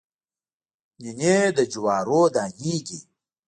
نینې د جوارو دانې دي